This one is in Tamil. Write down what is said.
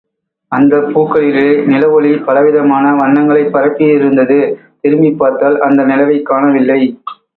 அந்தப் பூக்களிலே நிலவொளி பலவிதமான வண்ணங்களைப் பரப்பி யிருந்தது, திரும்பிப்பார்த்தால் அந்த நிலவைக் காணவில்லை.